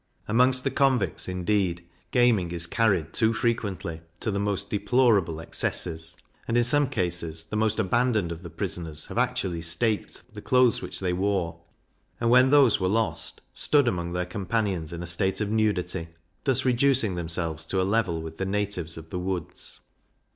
Amongst the convicts, indeed, gaming is carried, too frequently, to the most deplorable excesses; and, in some cases, the most abandoned of the prisoners have actually staked the clothes which they wore, and when those were lost, stood amongst their companions in a state of nudity, thus reducing themselves to a level with the natives of the woods.